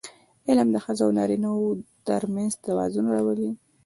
علم د ښځو او نارینهوو ترمنځ توازن راولي.